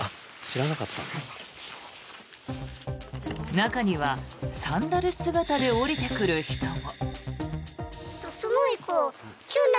中にはサンダル姿で下りてくる人も。